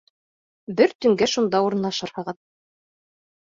Бер төнгә шунда урынлашырһығыҙ.